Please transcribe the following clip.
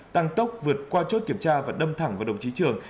tăng tốc vượt qua chốt kiểm tra và đâm thẳng vào đồng chí trường